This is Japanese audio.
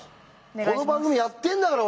この番組やってんだから！